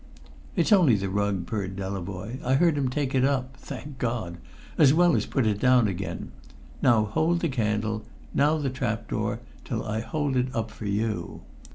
"It's only the rug," purred Delavoye. "I heard him take it up thank God as well as put it down again. Now hold the candle; now the trap door, till I hold it up for you."